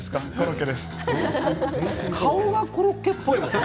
顔がコロッケっぽいもんね。